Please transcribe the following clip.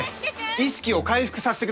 意識を回復さしてください！